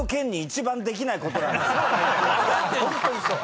ホントにそう。